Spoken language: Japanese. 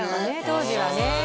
当時はね